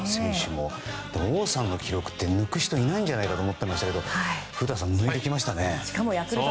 でも王さんの記録って抜く人いないかと思っていましたけど古田さん、抜いてきましたね。